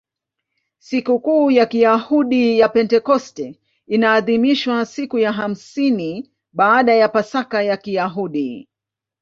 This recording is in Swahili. Sikukuu ya Kiyahudi ya Pentekoste inaadhimishwa siku ya hamsini baada ya Pasaka ya Kiyahudi.